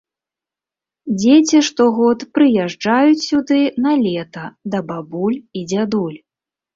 Дзеці штогод прыязджаюць сюды на лета да бабуль і дзядуль.